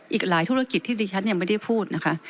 อีกหลายธุรกิจที่ดิฉันยังไม่ได้พูดนะคะ